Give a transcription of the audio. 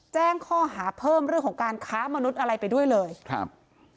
แจ้งข้อหาเพิ่มเรื่องของการค้ามนุษย์อะไรไปด้วยเลยครับ